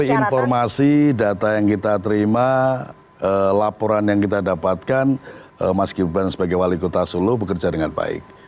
dari informasi data yang kita terima laporan yang kita dapatkan mas gibran sebagai wali kota solo bekerja dengan baik